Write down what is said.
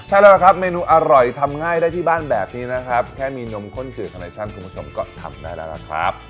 ใช่แล้วล่ะครับเมนูอร่อยทำง่ายได้ที่บ้านแบบนี้นะครับแค่มีนมข้นจืดคาเนชั่นคุณผู้ชมก็ทำได้แล้วล่ะครับ